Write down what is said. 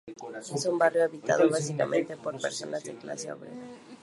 Es un barrio habitado básicamente por personas de clase obrera.